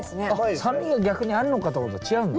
酸味が逆にあるのかと思ったら違うんだ。